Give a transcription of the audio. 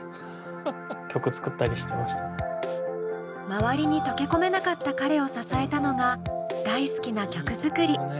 周りに溶け込めなかった彼を支えたのが大好きな曲作り。